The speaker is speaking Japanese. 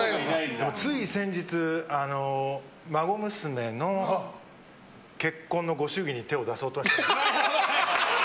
つい先日、孫娘の結婚のご祝儀に手を出そうとして。